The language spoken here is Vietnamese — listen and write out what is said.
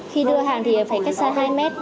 khi đưa hàng thì phải cách xa hai mét